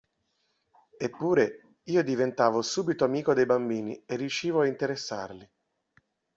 Eppure, io diventavo subito amico dei bambini e riuscivo a interessarli.